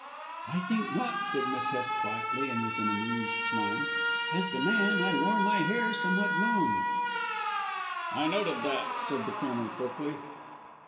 "I think not," said Miss Hest quietly and with an amused smile. "As the man I wore my hair somewhat long " "I noted that," said the Colonel quickly.